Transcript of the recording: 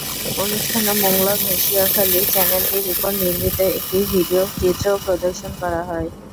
অনুষ্ঠানে মোংলা-ঘষিয়াখালী চ্যানেলটির ওপর নির্মিত একটি ভিডিও চিত্রও প্রদর্শন করা হয়।